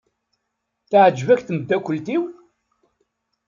Teɛjeb-ak tmeddakelt-iw?